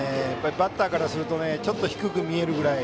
バッターからするとちょっと低く見えるぐらい。